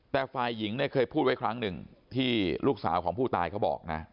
แต่ฝ่ายหญิงเนี่ยเคยพูดไว้ครั้งหนึ่งที่ลูกสาวของผู้ตายเขาบอกนะ